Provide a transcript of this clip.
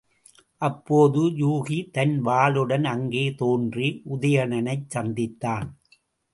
அப்போது யூகி தன் வாளுடன் அங்கே தோன்றி உதயணனைச் சந்தித்தான்.